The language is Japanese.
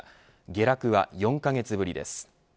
下落は４カ月ぶりです。